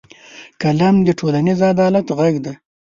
قلم د ټولنیز عدالت غږ دی